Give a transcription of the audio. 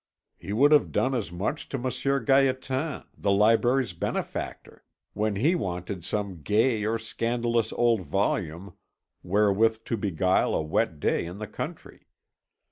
He would have done as much to Monsieur Gaétan, the library's benefactor, when he wanted some gay or scandalous old volume wherewith to beguile a wet day in the country.